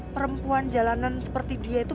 perempuan jalanan seperti dia itu